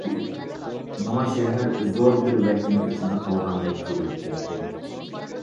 ماڭا شەھەر زور بىر ۋەھىمە ئىچىدە قالغاندەك تۇيۇلۇپ كەتتى.